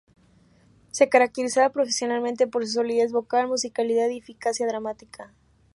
Se caracterizaba profesionalmente por su solidez vocal, musicalidad y eficacia dramática.